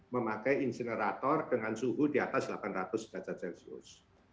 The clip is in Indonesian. memakai insinerator dengan suhu di atas delapan ratus derajat celcius